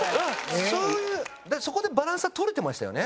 そこでバランスは取れてましたよね。